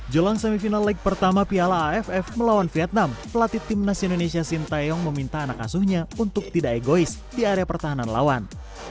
jelang semifinal leg pertama piala aff melawan vietnam pelatih timnas indonesia sintayong meminta anak asuhnya untuk tidak egois di area pertahanan lawan